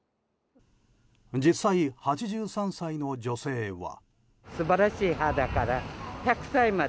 実際、８３歳の女性は。